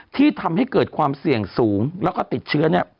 ที่ทำให้เกิดความเสี่ยงสูงแล้วก็ติดเชื้อเนี่ย